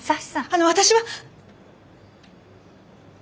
あの私は。